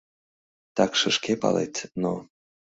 — Такше шке палет, но...